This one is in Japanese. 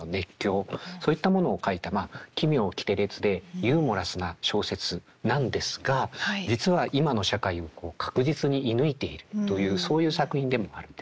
そういったものを書いた奇妙奇天烈でユーモラスな小説なんですが実は今の社会を確実に射抜いているというそういう作品でもあるんですね。